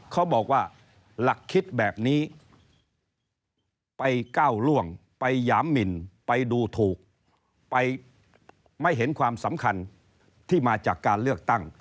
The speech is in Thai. เขาบอกว่าหลักคิดแบบนี้ไปก้าวล่วงไปหยามหมินไปดูถูกไปไม่เห็นความสำคัญที่มาจากการเลือกตั้ง